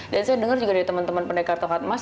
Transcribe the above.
dan saya dengar juga dari teman teman pendekar tongkat emas